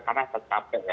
karena saya capek